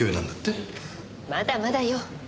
まだまだよ。